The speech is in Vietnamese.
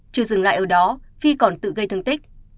chưa dừng lại ở đó phi còn tự gây thương tích